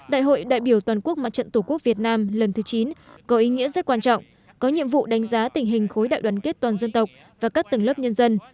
đại hội đại biểu toàn quốc mặt trận tổ quốc việt nam lần thứ chín có ý nghĩa rất quan trọng có nhiệm vụ đánh giá tình hình khối đại đoàn kết toàn dân tộc và các tầng lớp nhân dân